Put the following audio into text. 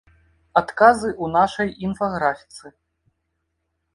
Адказы ў нашай інфаграфіцы.